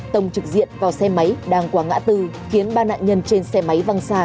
tông trực diện vào xe máy đang qua ngã tư khiến ba nạn nhân trên xe máy văng xa